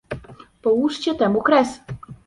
Połóżcie temu kres